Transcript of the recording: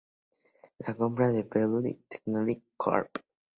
La compra de "Pebble Technology Corp.